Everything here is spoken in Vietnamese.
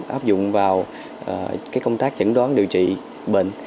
áp dụng vào công tác chẩn đoán điều trị bệnh